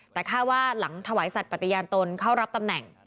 แต่ค่าว่าหลังถวายสัตว์ปฏิญาณตนเข้ารับตำแหน่ง